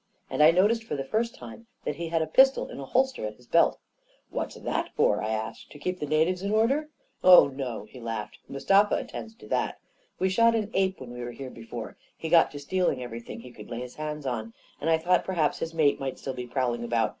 And I noticed for the first time that he had a pistol in a holster at his belt "What's that for?" I asked. "To keep the natives in order?" " Oh, no," he laughed ;" Mustafa attends to 144 A KING IN BABYLON that. We shot an ape when we were here before — he got to stealing everything he could lay his hands on — and I thought perhaps his mate might still be prowling about.